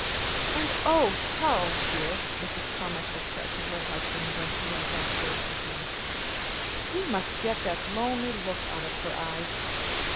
"And oh, Charles, dear," Mrs. Carmichael said to her husband, when she went downstairs to him, "We must get that lonely look out of her eyes!